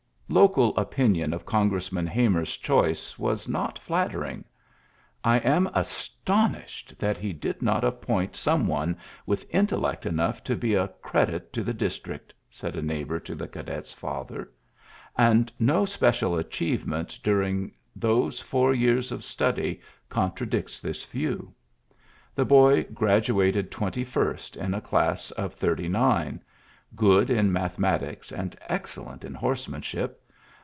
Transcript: Local opinion of Congressman Hamer's choice was not flattering. "I am as tonished that he did not appoint some one with intellect enough to be a credit to the district," said a neighbour to the cadef s faither ; and no special achieve ment during those four years of study contradicts this view. The boy gradu ated twenty first in a class of thirty nine, good in mathematics and exceUent in horsemanship.